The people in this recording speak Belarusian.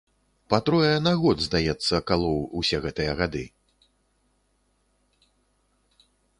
Па трое на год, здаецца, калоў, усе гэтыя гады.